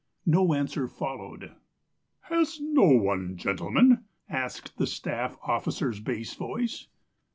No answer followed. "Has no one, gentlemen?" asked the staff officer's bass voice.